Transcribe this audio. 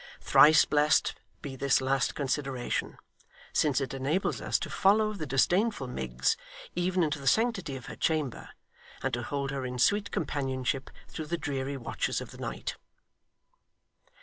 Thrice blessed be this last consideration, since it enables us to follow the disdainful Miggs even into the sanctity of her chamber, and to hold her in sweet companionship through the dreary watches of the night!